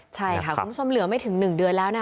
ใช่ค่ะคุณผู้ชมเหลือไม่ถึง๑เดือนแล้วนะคะ